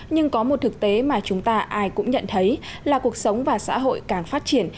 nhưng có một thực tế mà chúng ta ai cũng nhận thấy là cuộc sống và xã hội càng phát triển